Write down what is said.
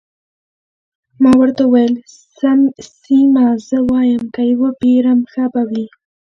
ما ورته وویل: سیمه، زه وایم که يې وپېرم، ښه به وي.